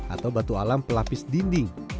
atau batu alam pelapis dinding